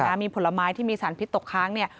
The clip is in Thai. มีผลไม้ที่มีสารพิษตกค้างเนี่ย